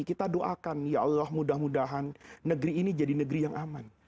kita doakan ya allah mudah mudahan negeri ini jadi negeri yang aman